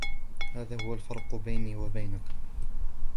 هذا هو الفرق بيني وبينك